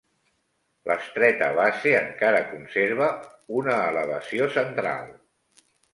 L'estreta base encara conserva una elevació central.